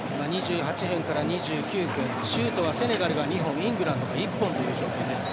シュートはセネガルが２本イングランドが１本という状況です。